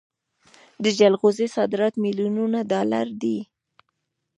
د جلغوزیو صادرات میلیونونه ډالر دي.